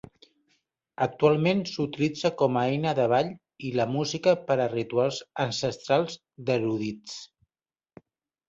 Actualment, s'utilitza com a eina de ball i la música per a rituals ancestrals d'erudits.